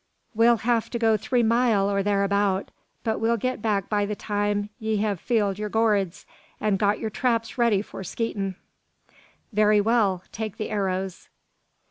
We'll hev to go three mile or tharabout; but we'll git back by the time 'ee hev filled yur gourds, an' got yur traps ready for skeetin'." "Very well! take the arrows."